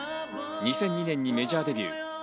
２００２年にメジャーデビュー。